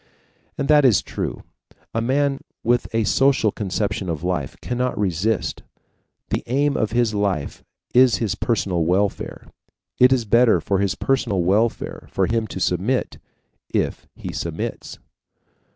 And that is true. A man with the social conception of life cannot resist. The aim of his life is his personal welfare. It is better for his personal welfare for him to submit, and he submits.